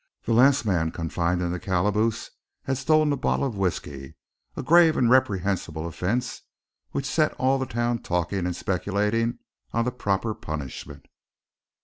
The last man confined in the calaboose had stolen a bottle of whisky, a grave and reprehensible offense which set all the town talking and speculating on the proper punishment.